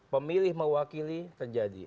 pemilih mewakili terjadi